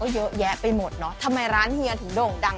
เยอะแยะไปหมดเนอะทำไมร้านเฮียถึงโด่งดัง